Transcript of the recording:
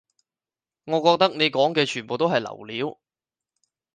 我覺得你講嘅全部都係流料